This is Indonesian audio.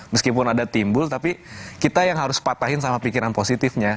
meskipun ada timbul tapi kita yang harus patahin sama pikiran positifnya